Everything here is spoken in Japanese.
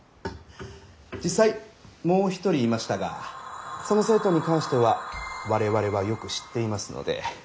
実際もう一人いましたがその生徒に関しては我々はよく知っていますので。